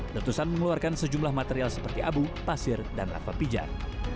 letusan mengeluarkan sejumlah material seperti abu pasir dan lava pijar